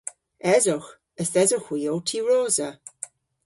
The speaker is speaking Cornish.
Esowgh. Yth esowgh hwi ow tiwrosa.